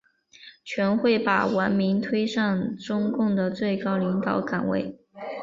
全会把王明推上中共的最高领导岗位。